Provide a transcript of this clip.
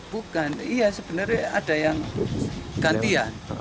bukan iya sebenernya ada yang ganti ya